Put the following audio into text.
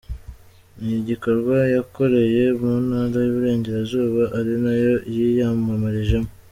Ni igikorwa yakoreye mu ntara y’Uburengerazuba ari nayo yiyamamarijemo.